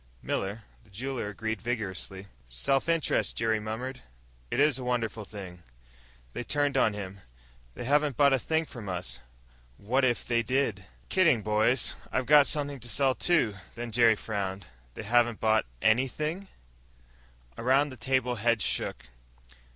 Miller, the jeweler, agreed vigorously. "Self interest," Jerry murmured, "is a wonderful thing." They turned on him. "They haven't bought a thing from us! And what if they did?" "Kidding, boys. I've got something to sell, too." Then Jerry frowned. "They haven't bought anything?" Around the table, heads shook.